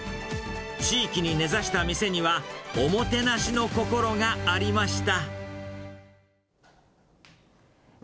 地域に根ざした店には、おもてなしの心がありました。